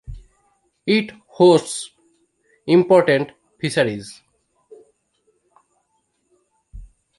It hosts important fisheries.